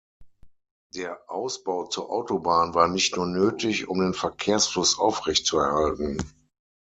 Der Ausbau zur Autobahn war nicht nur nötig, um den Verkehrsfluss aufrechtzuerhalten.